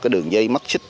đường dây mất xích